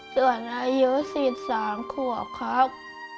ส่วนอายุ๔๓ครับ